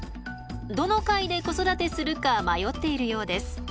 どの貝で子育てするか迷っているようです。